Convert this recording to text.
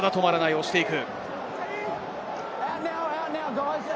押していく。